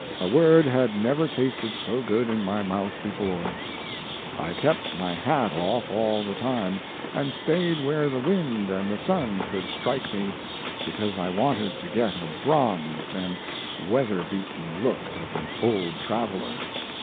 A word had never tasted so good in my mouth before. I kept my hat off all the time, and stayed where the wind and the sun could strike me, because I wanted to get a bronzed and weather beaten look of an old traveler.